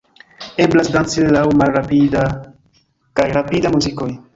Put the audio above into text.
Eblas danci laŭ malrapida kaj rapida muzikoj.